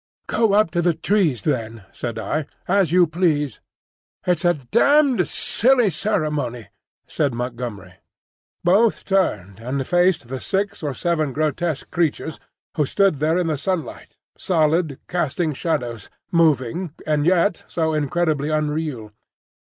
"Go up to the trees, then," said I, "as you please." "It's a damned silly ceremony," said Montgomery. Both turned and faced the six or seven grotesque creatures, who stood there in the sunlight, solid, casting shadows, moving, and yet so incredibly unreal.